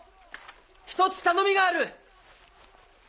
ひとつ頼みがある！